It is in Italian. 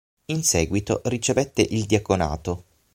In seguito ricevette il diaconato.